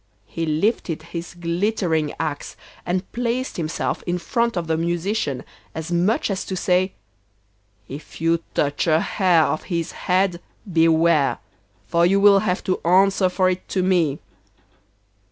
He lifted his glittering axe and placed himself in front of the Musician, as much as to say: 'If you touch a hair of his head, beware, for you will have to answer for it to me.